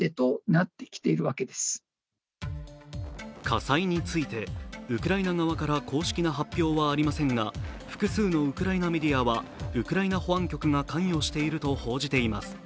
火災についてウクライナ側から公式な発表はありませんが複数のウクライナメディアはウクライナ保安局が関与していると報じています。